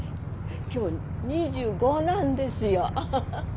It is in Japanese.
今日で２５なんですよ。